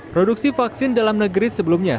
produksi vaksin dalam negeri sebelumnya